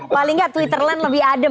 paling nggak twitterland lebih adem